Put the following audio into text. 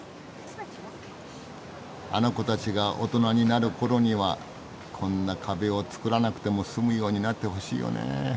あの子たちが大人になる頃にはこんな壁をつくらなくても済むようになってほしいよねぇ。